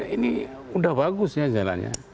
ini udah bagus ya jalannya